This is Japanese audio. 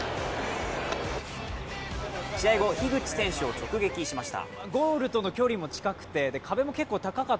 試合後、樋口選手を直撃しました。